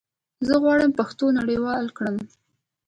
زه غواړم پښتو نړيواله کړم